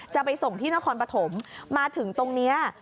จะไปส่งที่นครปฐมมาถึงตรงนี้